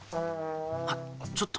あちょっと。